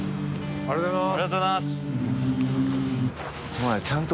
ありがとうございます。